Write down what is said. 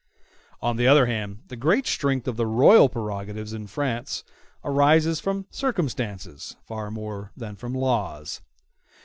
On the other hand, the great strength of the royal prerogative in France arises from circumstances far more than from the laws.